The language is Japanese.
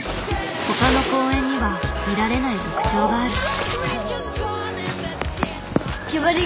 他の公園には見られない特徴がある。